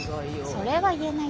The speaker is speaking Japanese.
それは言えない。